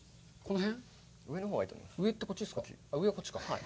はい。